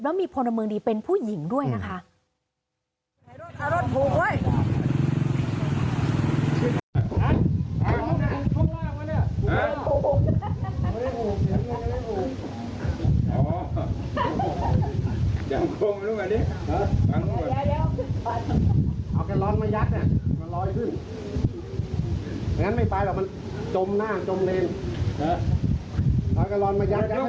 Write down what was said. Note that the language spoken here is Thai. แล้วมีพลเมืองดีเป็นผู้หญิงด้วยนะคะ